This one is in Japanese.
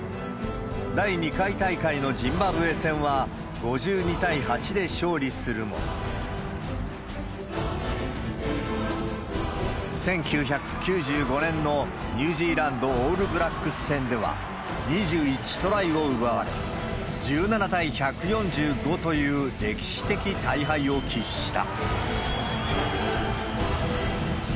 第２回大会のジンバブエ戦は、５２対８で勝利するも、１９９５年のニュージーランド、オールブラックス戦では２１トライを奪われ、１７対１４５という歴史的大敗を喫した。